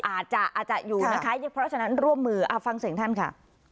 อาจจะอาจจะอยู่นะคะเพราะฉะนั้นร่วมมือฟังเสียงท่านค่ะ